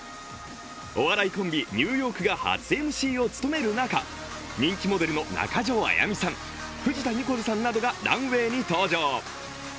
お笑いコンビ・ニューヨークが初ＭＣを務める中人気モデルの中条あやみさん、藤田ニコルさんなどがランウェイに登場。